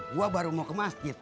gue baru mau ke masjid